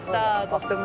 とっても。